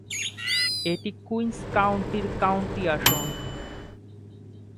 এটি কুইন্স কাউন্টির কাউন্টি আসন।